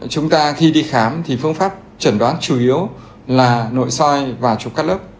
chúng ta khi đi khám thì phương pháp chẩn đoán chủ yếu là nội soi và chụp cắt lớp